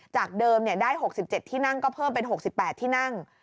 จากเดิมได้๖๗ที่นั่งก็เพิ่มเป็น๖๘ที่นั่ง